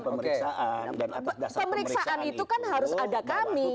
pemeriksaan itu kan harus ada kami